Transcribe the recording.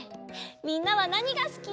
みんなはなにがすき？